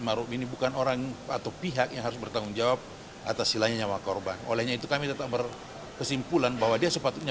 menikmati terjadinya sesuatu yang tidak berhubungan dengan hakikatnya